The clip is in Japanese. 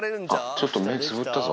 ちょっと目、つぶったぞ。